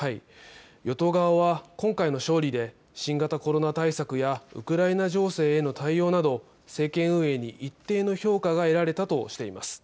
与党側は今回の勝利で新型コロナ対策やウクライナ情勢への対応など政権運営に一定の評価が得られたとしています。